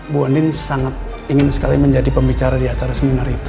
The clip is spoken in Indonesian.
bu andin sangat ingin sekali menjadi pembicara di acara seminar itu